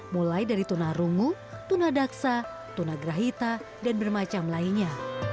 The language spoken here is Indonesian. mulai dari tunah rungu tunah daksa tunah grahita dan bermacam lainnya